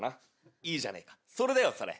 いいじゃねえかそれだよそれ。